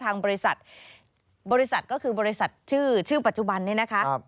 บริษัทบริษัทก็คือบริษัทชื่อปัจจุบันนี้นะคะ